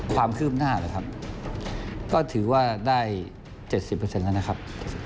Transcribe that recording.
ความคืบหน้านะครับก็ถือว่าได้๗๐แล้วนะครับ